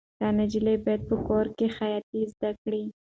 دا نجلۍ باید په کور کې خیاطي زده کړي.